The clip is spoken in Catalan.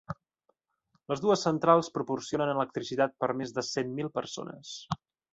Les dues centrals proporcionen electricitat per més de cent mil persones.